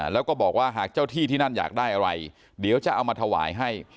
แล้วก็บอกว่าหากเจ้าที่ที่นั่นอยากได้อะไรเดี๋ยวจะเอามาถวายให้